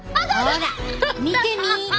ほら見てみ。